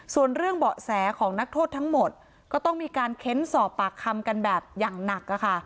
ส่วนเรื่องเบาะแสของนักโทษทั้งหมดก็ต้องมีการเค้นสอบปากคำกันแบบอย่างหนัก